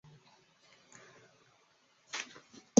故事讲述华家与司徒家的一段大战。